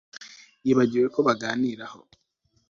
yibagiwe ko baganiraho